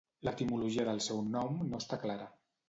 L'etimologia del seu nom no està clara.